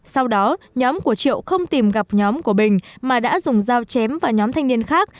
sau đó nhóm của triệu không tìm gặp nhóm của bình mà đã dùng dao chém vào nhóm thanh niên khác